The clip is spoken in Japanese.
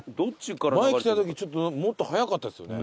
前来たときちょっと何かもっと速かったですよね。